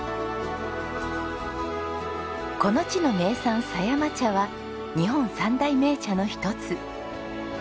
この地の名産狭山茶は日本三大銘茶の一つ。